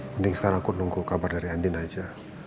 mending sekarang aku nunggu kabar dari andin aja